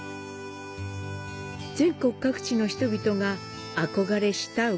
全国各地の人々が憧れ慕う